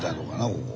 ここ。